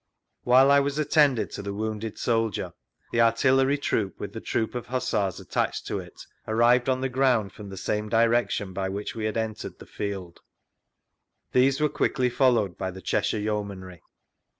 While I was attending to the wounded soldier, the artillery troop with the troop of Hussars attached to it, arrived on the ground from vGoogIc S6 THREE ACCOUNTS OF PETERLOO the same directioa by which we had entered the fidd; these were quickly followed by the Cheshire Yeomanry.